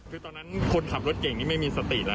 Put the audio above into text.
คือตอนนั้นคนขับรถเก่งนี้ไม่มีสติแล้ว